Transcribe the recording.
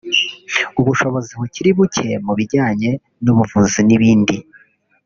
ubushobozi bukiri bucye mu bijyanye n’ubuvuzi n’ibindi